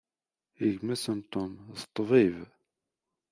Gma-s n Tom, d ṭṭbib.